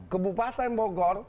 ke bupati yang bogor